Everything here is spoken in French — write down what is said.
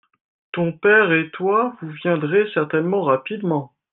Ton père et toi, vous viendrez certainement rapidement.